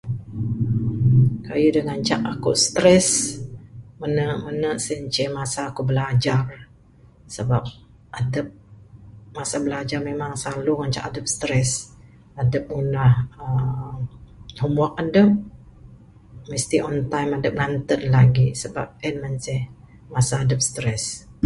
Kayuh da ngancak aku stress mene mene sien manceh masa ku blajar sabab adep masa blajar memang perlu ngancak adep stress. Adep ngunah aaa homework adep mesti on time adep nganted ne lagi pak en manceh masa dep stress.